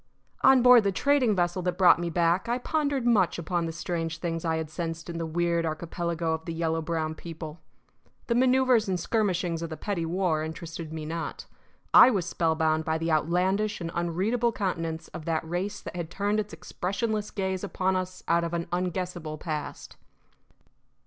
On board the trading vessel that brought me back I pondered much upon the strange things I had sensed in the weird archipelago of the yellow brown people. The manoeuvres and skirmishings of the petty war interested me not: I was spellbound by the outlandish and unreadable countenance of that race that had turned its expressionless gaze upon us out of an unguessable past.